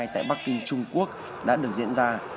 tại bắc kinh trung quốc đã được diễn ra